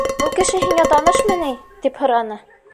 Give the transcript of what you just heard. Был кеше һиңә танышмы ни? - тип һораны.